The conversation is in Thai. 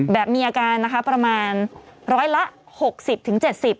แบบมีอาการประมาณ๑๐๐ละ๖๐ถึง๗๐